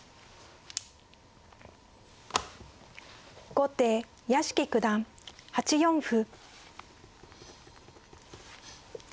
後手屋敷九段８四歩。